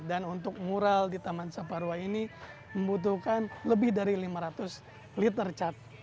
dan untuk mural di taman saparwa ini membutuhkan lebih dari lima ratus liter cat